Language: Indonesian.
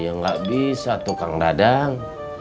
ya nggak bisa tukang dadang